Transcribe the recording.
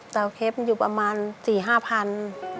เตาเคฟอยู่ประมาณ๔๕๐๐๐บาท